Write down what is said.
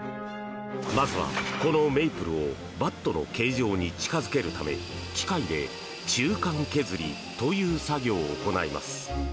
まずは、このメイプルをバットの形状に近付けるため機械で中間削りという作業を行います。